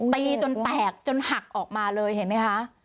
ตีจนแตกจนหักออกมาเลยเห็นไหมคะ